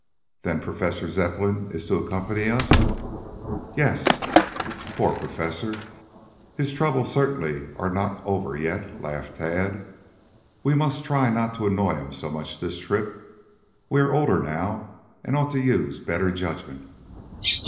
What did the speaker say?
"Then Professor Zepplin is to accompany us?" "Yes." "Poor Professor! His troubles certainly are not over yet," laughed Tad. "We must try not to annoy him so much this trip. We are older now and ought to use better judgment."